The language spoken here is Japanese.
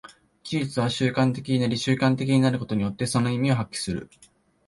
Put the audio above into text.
技術は習慣的になり、習慣的になることによってその意味を発揮する。